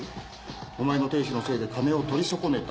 お前の亭主のせいで金を取り損ねた。